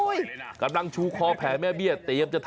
เอาล่ะเดินทางมาถึงในช่วงไฮไลท์ของตลอดกินในวันนี้แล้วนะครับ